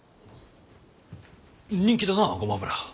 人気だなゴマ油。